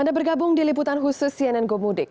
anda bergabung di liputan khusus cnn gomudik